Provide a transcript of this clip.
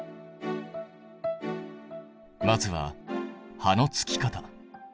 まずは葉のつきかた。